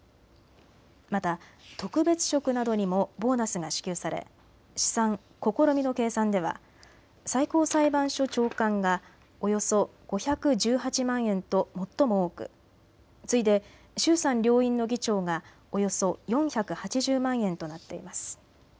また特別職などにもボーナスが支給され試算・試みの計算では最高裁判所長官がおよそ５１８万円と最も多く、次いで衆参両院の議長がおよそ４８０万円となっています。